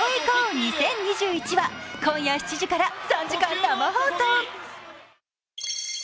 ２０２１」は今夜７時から３時間生放送。